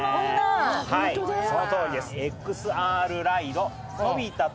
はいそのとおりです。